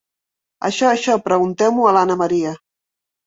Això, això, preguntem-ho a l'Anna Maria.